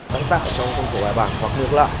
sáng tác ở trong khung của bài bảng hoặc được là